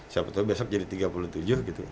siapa tau besok jadi tiga puluh tujuh gitu